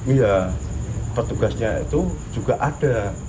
iya petugasnya itu juga ada